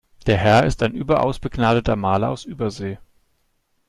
Der Herr ist ein überaus begnadeter Maler aus Übersee.